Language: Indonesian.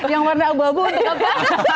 yang warna abu abu untuk apa